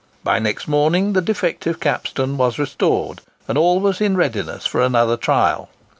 By next morning the defective capstan was restored, and all was in readiness for another trial.